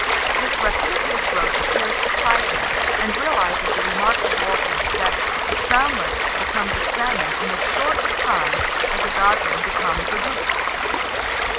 This rapidity of growth appears surprising, and realizes the remark of Walton, that "the salmlet becomes a salmon in as short a time as a gosling becomes a goose."